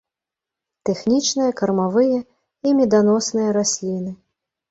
Тэхнічныя, кармавыя і меданосныя расліны.